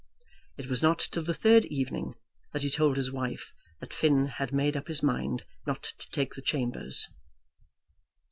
It was not till the third evening that he told his wife that Finn had made up his mind not to take chambers.